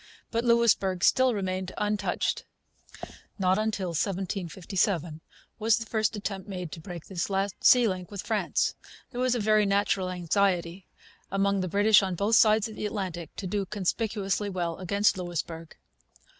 But Louisbourg still remained untouched. Not till 1757 was the first attempt made to break this last sea link with France. There was a very natural anxiety, among the British on both sides of the Atlantic, to do conspicuously well against Louisbourg.